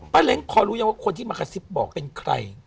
ปะเล็งขอรู้ยังว่าคนที่มาขสิบบอกเป็นใคร